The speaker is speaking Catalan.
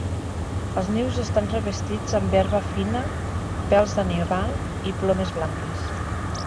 Els nius estan revestits amb herba fina, pèl d'animal i plomes blanques.